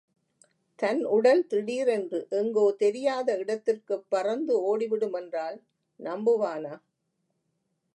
தன் உடல் திடீரென்று எங்கோ தெரியாத இடத்திற்குப் பறந்து ஓடிவிடும் என்றால் நம்புவானா?